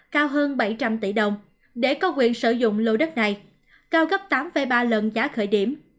cao hơn bảy trăm linh tỷ đồng để có quyền sử dụng lô đất này cao gấp tám ba lần giá khởi điểm